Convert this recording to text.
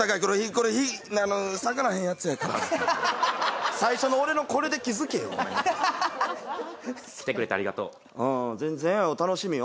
これあの下がらへんやつやからあかん最初の俺のこれで気付けよごめん来てくれてありがとううん全然楽しみよ